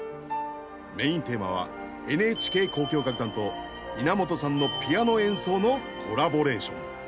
メインテーマはＮＨＫ交響楽団と稲本さんのピアノ演奏のコラボレーション。